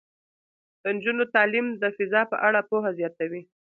د نجونو تعلیم د فضا په اړه پوهه زیاتوي.